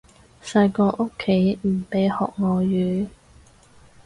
細個屋企唔俾學外語